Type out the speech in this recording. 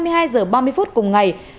hai mươi hai h ba mươi phút cùng ngày